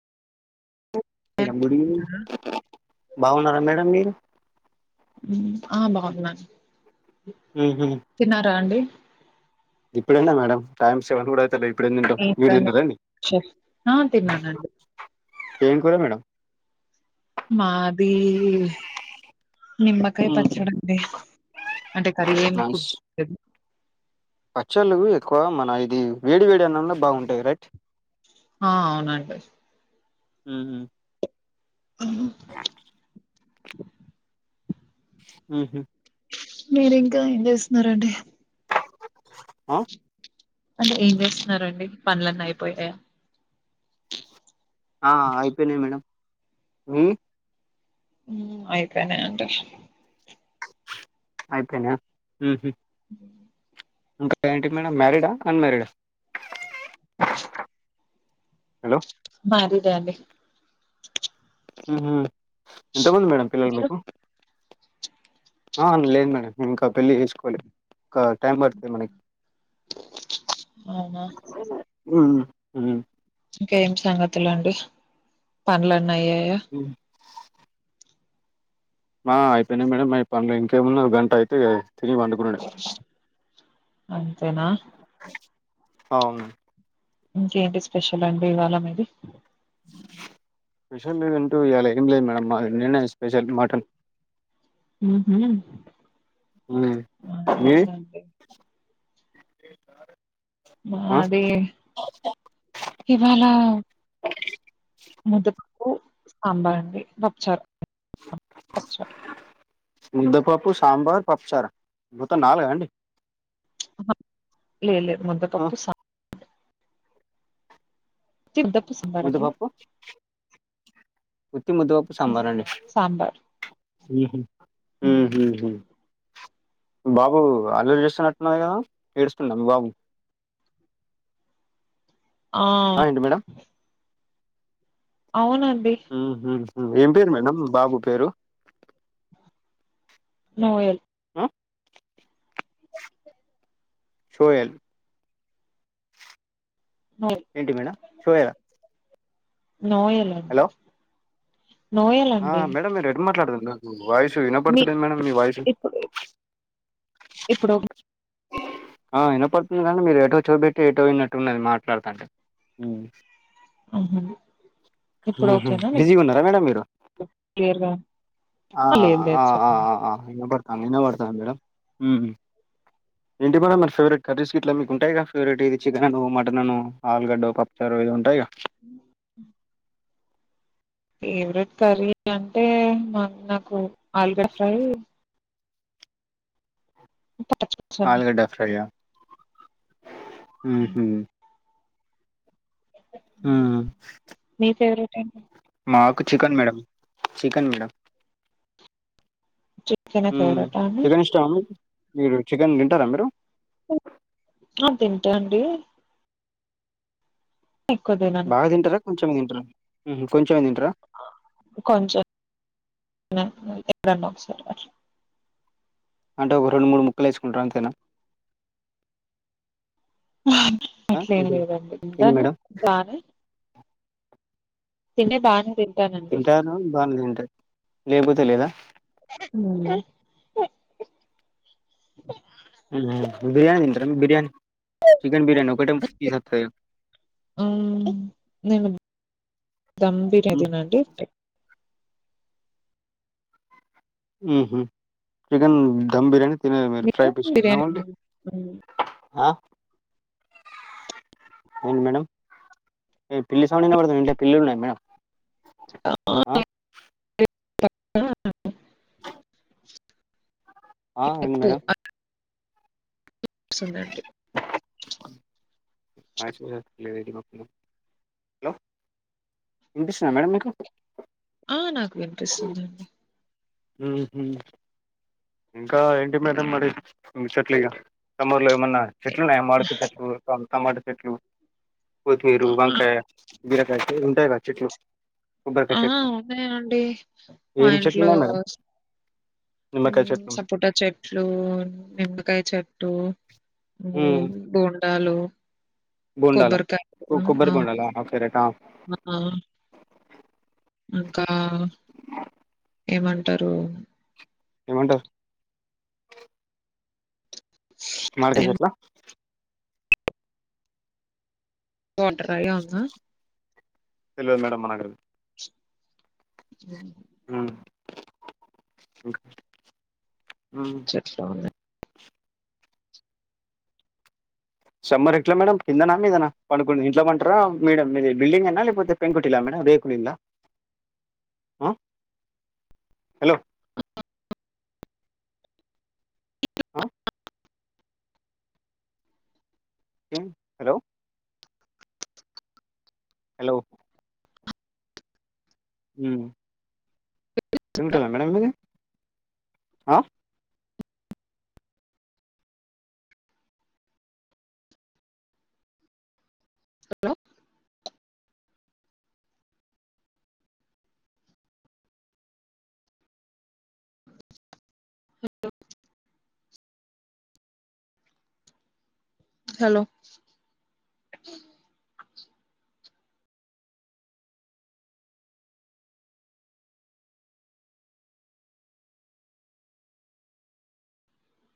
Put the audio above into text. Madam good evening బాగున్నారా madam మీరు ఆ బాగున్నాను తిన్నారా అండి ఇప్పుడే నా మేడం టైం సెవెన్ కూడా అయితలే ఇప్పుడేం తింటాం మీరు తిన్నారండి [unintelligible] ఆ తిన్నానండి ఏం కూర మేడం మాదీ నిమ్మకాయ ఉమ్ పచ్చడండి అంటే కర్రీ ఏం నైస్ కుక్ చేయలేదు పచ్చళ్ళు ఎక్కువ మన ఇది వేడి వేడి అన్నంలో బాగుంటాయ్ రైట్ ఆ అవునండి హమ్మ్ [inaudible] ఉహు మీరు ఇంకా ఏం చేస్తున్నారండి ఆ అంటే ఏం చేస్తున్నారండి పనులన్నీ అయిపోయాయా ఆ అయిపోయినై మేడం హుమ్ హ్ అయిపోనాయి అండి అయిపోయినయా ఉహు [inaudible] ఇంకా ఏంటి మేడం మ్యారీడా అన్మారీడా హలో మ్యారీడ్ ఏ అండి ఉహు ఎంతమంది మేడం పిల్లలు మీరు? మీకు ఆ లేదు మేడం ఇంకా పెళ్లి చేసుకోలే ఇంకా టైం పడుతుంది మనకి అవునా! [inaudible] ఉమ్ ఉమ్ ఉ ఇంకా ఏం సంగతులండి పనులన్నీ అయ్యాయా హా అయిపోయినాయి మేడమ్ అ పన్లు ఇంకేమున్నా ఒక గంట అయితే తిని పండుకునుడే అంతేనా అవును ఇంకేంటి స్పెషల్ అండి ఇవాళ మీది స్పెషల్ అంటు ఇయల ఏం లేదు మేడమ్ మా నిన్ననే స్పెషల్ మటన్ హూ హు మీది ఆ మాది ఇవాళ ముద్ద పప్పు సాంబార్ అండి పప్పు చారు పప్పుచారు ముద్దపప్పు, సాంబార్, పప్పుచార మొత్తం నాలుగ అండి. లే లేదు ఆ ముద్దపప్పు సా తప్పు సంబారాల ముద్దపప్పు ఉత్తి ముద్దపప్పు, సాంబార్ అండి సాంబార్ ఉహ హు హ్మ్. హు హూ బాబు అలోచచస్తున్నట్టున్నాది, కదా ఏడుస్తున్నాడా మీ బాబు. ఆ ఏంటి మేడం అవునం ఉ హూ హు ఏం పేరు మేడం మీ బాబు పేరు నోయల్ [unintelligible] సోయల్ నోయల్ ఏంటి మేడం సోయల్ ఆ నోయలండి ఆ మేడం ఎటు మాట్లాడదాం. నాకు వయిసు విన మీ పడుతులే మేడం మీ వయిసు ఇప్పుడు ఇప్పుడు ఆ వినపడుతుంది కాని మీరు ఎటో చూపెట్టి ఏటో వినట్టున్నది. మాట్లాడుతంటే ఉ ఆహా హు ఇప్పుడు హు ఓకేనా మీకు బిజీగా ఉన్నారా, మేడం మీరు క్లియర్గా ఆ లేదు లేదు ఆ ఆ చెప్పండి ఆ వినబడుతుంది. అ వినపడుతుందా మేడం ఇంటి మ మ సవర కర్రీస్ ఇట్లా మీకు ఉంటాయక ఫేవరెట్ ఇది చికెన్ అను, మటన్ అను, ఆలుగడ్డ పప్పుచారు, ఇవి ఉంటాయిగా. అ ఫేవరెట్ కర్రీ అంటే మా నాకు ఆలుగడ్డ ఫ్రై పచ్చిపులుసు అండి ఆలుగడ్డ ఫ్రై అ ఉ హ మీ ఫేవరెట్ ఏ ఒక చికెన్ మేడం, చికెన్ మేడం. చికెనే హ్మ్ ఫేవరెటా అండి చికెన్ ఇష్టమా మీక్ మీరు చికెన్ తింటారా మీరు తింటాండి. ఎక్కువ తినను కొంచెం తింటార హ్మ్ కొంచ కొంచం ఎప్పుడన్నా ఒకసారి అట్లా అంట ఒక రెండు మూడు ముక్కలు వేసుకుంటారు. అంతేనా ఆ అట్లేం ఏంటి లేదండి. ఏంది తింటాను మేడం బానే తింటే బానే తింటాను. తింటారు బాగనే తింటారు. లేకపోతే లేదా ఆ బిర్యానీ తింటారా బిర్యానీ చికెన్ బిరియానీ ఒకట పీస్ వత్తది కదా గంభీర్యతినండి. ఉ హ్మ్ చికెన్ దమ్ బిర్యానీ తినరా మీరు ఫ్రై పీస్ [unintelligible] ఓన్లీ ఏంది మేడం పిల్లి సౌండ్ వినపడతాంది. ఇంట్లో పిల్లులున్నాయి. మేడం ఆ [unintelligible] ఆ అయ్యింది మేడమ్ వస్తుందండి. ఆ [unintelligible] హలో వినిపిస్తుందా మేడం మీకు ఆ నాకు వినిపిస్తుందండి. హ్మ్ ఉ హ్మ్ ఇంకా ఏంటి మేడం మరి చెట్లు ఇగా సమ్మర్లో ఎమ్ మొన్న చెట్లు ఉన్నాయా మామిడికాయ చెట్లు టమాటా చేట్ చెట్లు కొత్తిమీర, వంకాయ, బీరకాయ, ఉంటాయి కదా చెట్లు కొబ్బరికాయ ఆ చెట్లు ఉన్నాయా అండి. మా ఏం చెట్లు ఇంట్లో ఉన్నాయి మేడం హు నిమ్మకాయ చెట్లు సపోటా చెట్లు, నిమ్మకాయ చెట్టు ఉమ్ బోండాలు బోండాల కొబ్బరికాయలు కొబ్బరి ఆ బోండాల ఓకే రైట్ ఆ ఆ ఇంకా ఏమంటారు ఏమంటా మామిడికాయ చెట్ల వాటర్ కాయ ఆ [inaudible] తెలివదు మేడం మనకది హు [inaudible] హు ఇంకా ఉమ్ చెట్ల నే సమ్మరు ఎట్లా మేడం కిందనా మీదనా పడుకుంది ఇంట్లో పంటారా మేడ మీది బిల్డింగేనా లేకపోతే పెంకుటిల్లా మేడం రేకులు ఇల్లా హు హలో హు [inaudible] అ కిమ్ హలో [inaudible] హలో హూ [inaudible] తింటాదా మేడం మిది అ హాలో హలో హలో